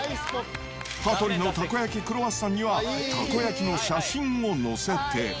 羽鳥のたこ焼きクロワッサンには、たこ焼きの写真を載せて。